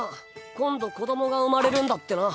今度子どもが生まれるんだってな。